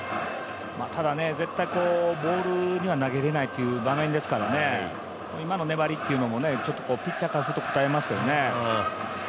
ただ、ボールには投げれないという場面ですから今の粘りというのもピッチャーからするとこたえますけどね。